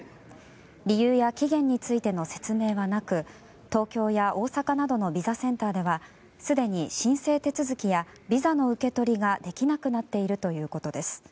理由や期限についての説明はなく東京や大阪などのビザセンターではすでに申請手続きやビザの受け取りができなくなっているということです。